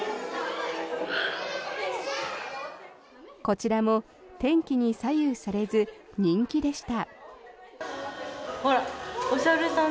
こちらも天気に左右されず人気でした。